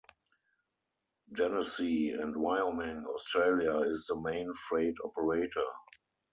Genesee and Wyoming Australia is the main freight operator.